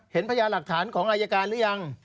พญาหลักฐานของอายการหรือยัง